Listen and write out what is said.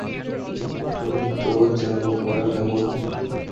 তুমি তো জানো ওরা কেমন।